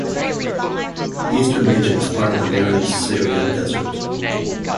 The eastern region is part of the barren Syrian Desert.